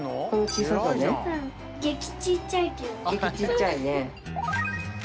げきちっちゃいね。